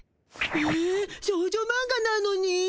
ええ少女マンガなのに？